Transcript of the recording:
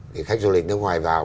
thì khách du lịch nước ngoài vào